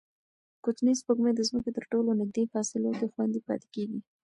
کوچنۍ سپوږمۍ د ځمکې تر ټولو نږدې فاصلو کې خوندي پاتې کېږي.